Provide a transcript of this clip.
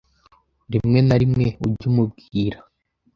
Rimwe na rimwe ujye umubwira